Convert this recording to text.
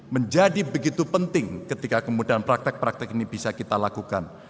menjadi begitu penting ketika kemudian praktek praktek ini bisa kita lakukan